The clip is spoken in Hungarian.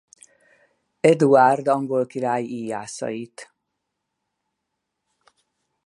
Eduárd angol király íjászait.